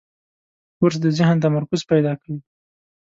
کورس د ذهن تمرکز پیدا کوي.